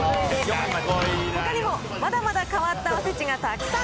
ほかにもまだまだ変わったおせちがたくさん。